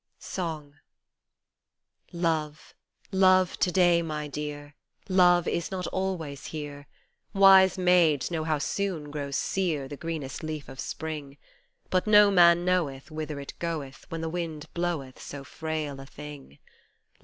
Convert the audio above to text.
" SONG LOVE, Love to day, my dear, Love is not always here ; Wise maids know how soon grows sere The greenest leaf of Spring ; But no man knoweth Whither it goeth When the wind bloweth So frail a thing.